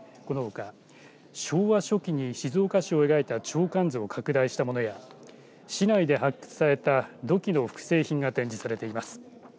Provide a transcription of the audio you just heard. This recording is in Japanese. このほか昭和初期に静岡市を描いた鳥瞰図を拡大したものや市内で発掘された土器の複製品が展示されています。